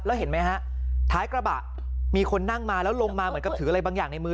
แล้วเห็นไหมฮะท้ายกระบะมีคนนั่งมาแล้วลงมาเหมือนกับถืออะไรบางอย่างในมือ